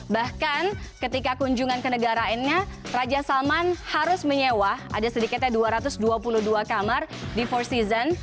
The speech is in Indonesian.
bahkan ketika kunjungan kenegaraannya raja salman harus menyewa ada sedikitnya dua ratus dua puluh dua kamar di four seasons